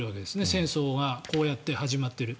戦争がこうやって始まっている。